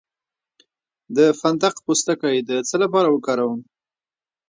د فندق پوستکی د څه لپاره وکاروم؟